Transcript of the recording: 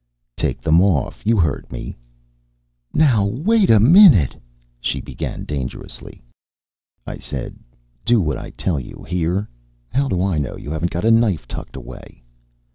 _" "Take them off. You heard me." "Now wait a minute " she began dangerously. I said: "Do what I tell you, hear? How do I know you haven't got a knife tucked away?"